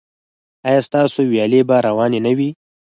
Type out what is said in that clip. ایا ستاسو ویالې به روانې نه وي؟